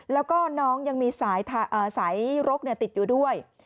แล้วก็น้องยังมีสายรกติดอยู่ด้วย